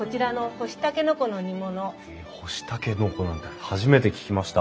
干しタケノコなんて初めて聞きました。